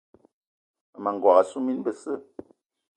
Mmema n'gogué assu mine besse.